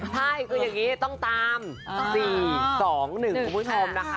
ใช่คืออย่างนี้ต้องตาม๔๒๑คุณผู้ชมนะคะ